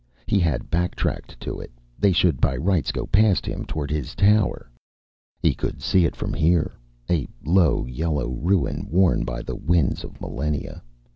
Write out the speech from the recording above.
He had backtracked to it; they should by rights go past him toward his tower. He could see it from here, a low yellow ruin worn by the winds of millennia.